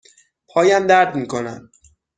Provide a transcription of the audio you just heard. پایم درد می کند.